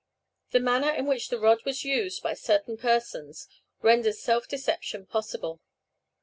}] The manner in which the rod was used by certain persons renders self deception possible.